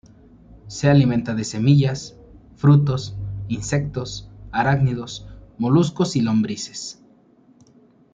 Se alimenta de semillas, frutos, insectos, arácnidos, moluscos y lombrices.